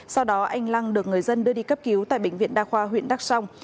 sau đó anh lăng được người dân đưa đi cấp cứu tại bệnh viện đa khoa huyện đắk song